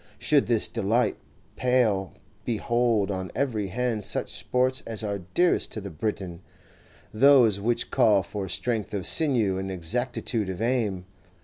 Should this delight pall, behold on every hand such sports as are dearest to the Briton, those which call for strength of sinew and exactitude of aim.